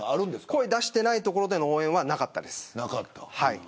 声出してないところはなかったです。